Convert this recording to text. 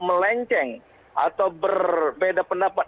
melenceng atau berbeda pendapat